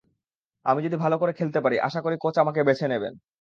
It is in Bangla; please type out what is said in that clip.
আমি যদি ভালো খেলতে পারি, আশা করি কোচ আমাকে বেছে নেবেন।